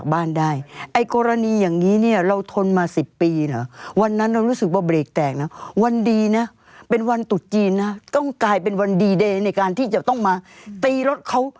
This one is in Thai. วันดีนะเป็นวันตุดจีนนะต้องกลายเป็นวันดีในการที่จะต้องมาตีรถเขา